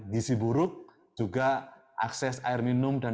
gisi buruk juga akses air minum dan